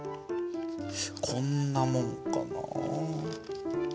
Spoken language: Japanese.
こんなもんかな？